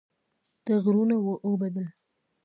ټغرونه واوبدل